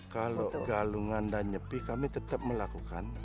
kalau galungan dan nyepi kami tetap melakukan